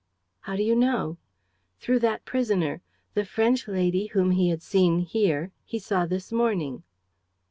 "How do you know?" "Through that prisoner. The French lady whom he had seen here he saw this morning."